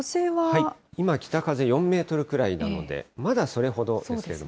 今、北風４メートルくらいなので、まだそれほど。